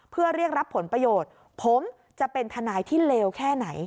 เพื่อเรียกรับผลประโยชน์ผมจะเป็นทนายที่เลวแค่ไหน